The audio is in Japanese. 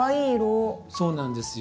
そうなんですよ。